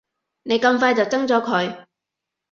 你咁快就憎咗佢